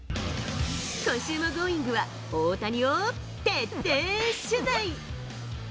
今週も『Ｇｏｉｎｇ！』は大谷を徹底取材。